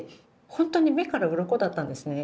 本当に「目から鱗」だったんですね。